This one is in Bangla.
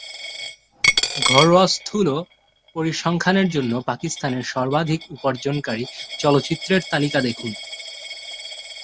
ঘরোয়া স্থূল পরিসংখ্যানের জন্য পাকিস্তানে সর্বাধিক উপার্জনকারী চলচ্চিত্রের তালিকা দেখুন।